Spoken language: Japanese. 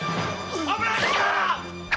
危ないっ‼